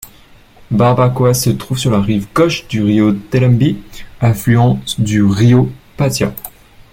Barbacoas se trouve sur la rive gauche du río Telembí, affluent du río Patía.